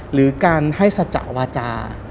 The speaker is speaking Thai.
หรือการให้ชณ์สจาวจา